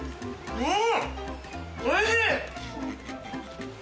うん。